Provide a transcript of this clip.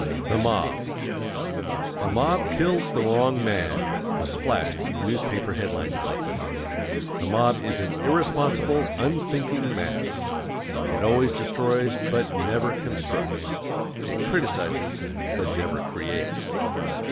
THE MOB "A MOB KILLS THE WRONG MAN" was flashed in a newspaper headline lately. The mob is an IRRESPONSIBLE, UNTHINKING MASS. It always destroys BUT NEVER CONSTRUCTS. It criticises BUT NEVER CREATES.